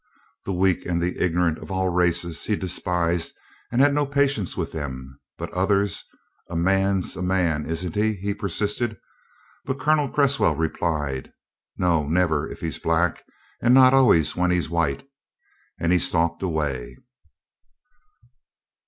The weak and the ignorant of all races he despised and had no patience with them. "But others a man's a man, isn't he?" he persisted. But Colonel Cresswell replied: "No, never, if he's black, and not always when he's white," and he stalked away.